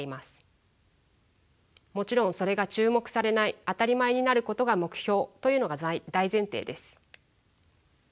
もちろんそれが注目されない当たり前になることが目標というのが大前提です。